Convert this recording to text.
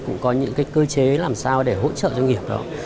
cũng có những cái cơ chế làm sao để hỗ trợ doanh nghiệp đó